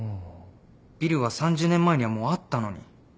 ビルは３０年前にはもうあったのに。